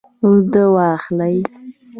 اوده واخلئ